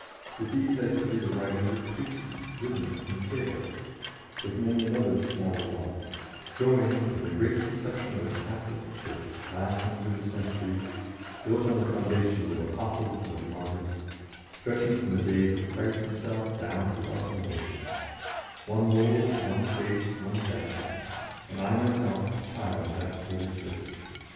With these I studied the writings of Pusey, Liddon, and Keble, with many another smaller light, joying in the great conception of a Catholic Church, lasting through the centuries, built on the foundations of apostles and of martyrs, stretching from the days of Christ Himself down to our own "One Lord, one Faith one Baptism," and I myself a child of that Holy Church.